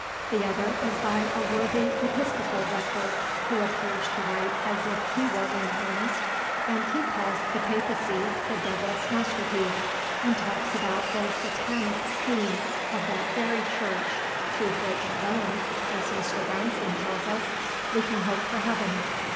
The other is by a worthy Episcopal rector, who appears to write as if he were in earnest, and he calls the Papacy the 'Devil's Masterpiece,' and talks about the 'Satanic scheme' of that very Church 'through which alone,' as Mr. Brownson tells us, 'we can hope for heaven.'